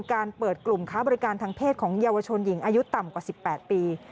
การเปิดกลุ่มค้าบริการทางเพศของเยาวชนหญิงอายุต่ำกว่า๑๘ปี